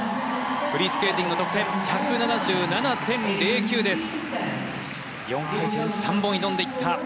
フリースケーティングの得点１７７．０９です。